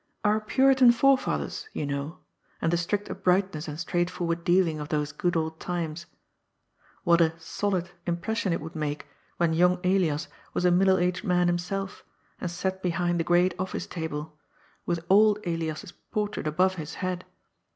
" Our Puritan forefathers," you know, and the strict uprightness and straightforward dealing of those good old times. What a " solid '' impression it would make when young Elias was a middle aged man himself, and sat behind the great office table, with old Elias's portrait above his head.